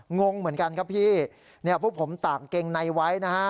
งงเหมือนกันครับพี่เนี่ยพวกผมตากเกงในไว้นะฮะ